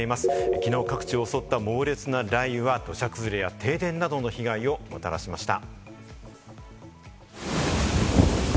きのう各地を襲った猛烈な雷雨は、土砂崩れや停電などの被害をもたらしました。